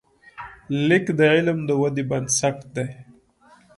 لیک د علم د ودې بنسټ دی.